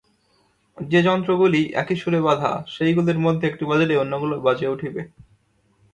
যে যন্ত্রগুলি একসুরে বাঁধা, সেইগুলির মধ্যে একটি বাজিলেই অন্যগুলি বাজিয়া উঠিবে।